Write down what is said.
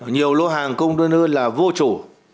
nhiều lô hàng công đơn ưu là vô chủ